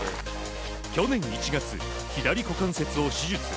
去年１月、左股関節を手術。